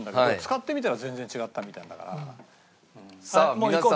もういこう。